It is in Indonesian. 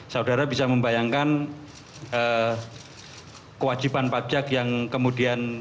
saudara bisa membayangkan kewajiban pajak yang kemudian